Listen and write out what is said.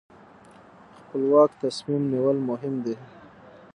خپلواک تصمیم نیول مهم دي.